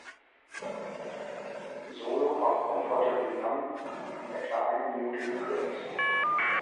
Solo von Comfortably Numb um etwa eine Minute gekürzt.